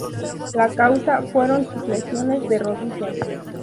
La causa fueron sus lesiones de rodilla.